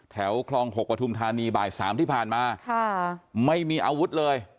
เฮ้ยพี่ช่วยเขาด้วย